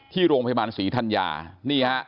ที่โรงพยาบาลศรีธัญญานี่ฮะ